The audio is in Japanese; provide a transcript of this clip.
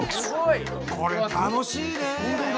これ楽しいね。